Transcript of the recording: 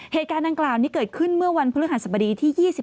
เหตุการณ์ดังกล่าวนี้เกิดขึ้นเมื่อวันพฤหัสบดีที่๒๔